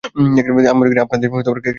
আমি মনে করি আপনার কেক অর্ডার করা উচিত।